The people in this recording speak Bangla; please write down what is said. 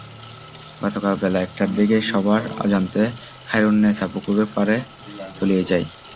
গতকাল বেলা একটার দিকে সবার অজান্তে খায়রুননেছা পুকুরে পড়ে তলিয়ে যায়।